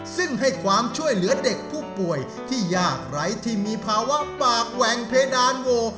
ซึ่งให้ความช่วยเหลือเด็กผู้ป่วยที่ยากไร้ที่มีภาวะปากแหว่งเพดานโว